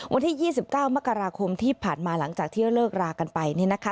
วันที่๒๙มกราคมที่ผ่านมาหลังจากที่เลิกรากันไป